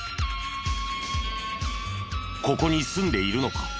ここに住んでいるのか？